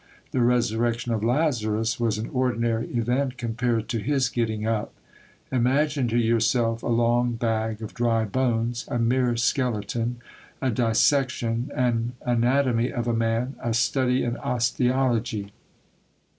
The resurrection of Lazarus was an ordinary event compared to his getting up. Imagine to yourself a long bag of dry bones, a mere skeleton, a dissection, an anatomy of a man ; a study in osteology